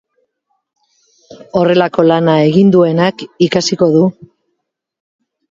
Horrelako lana egin duenak ikasiko du.